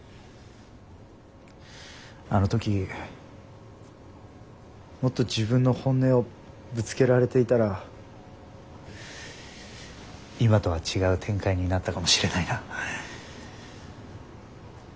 あの時もっと自分の本音をぶつけられていたら今とは違う展開になったかもしれないな。